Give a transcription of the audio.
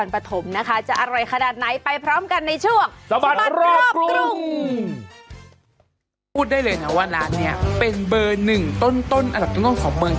ไปพร้อมกันในช่วงสบัตรรอบกรุง